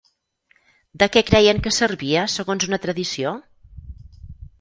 De què creien que servia segons una tradició?